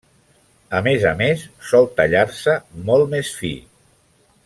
A més a més, sol tallar-se molt més fi.